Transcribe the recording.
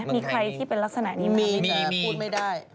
มีใครที่เป็นลักษณะนี้มั้ยพูดไม่ได้มีมี